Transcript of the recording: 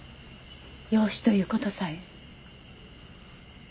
養子という事さえ。